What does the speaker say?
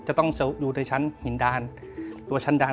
จะต้องอยู่ในชั้นหินดานหรือว่าชั้นดาน